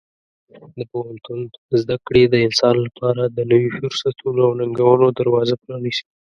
د پوهنتون زده کړې د انسان لپاره د نوي فرصتونو او ننګونو دروازه پرانیزي.